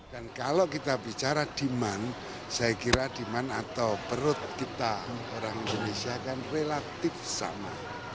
dan kalau kita bicara demand saya kira demand atau perut kita orang indonesia kan relatif sama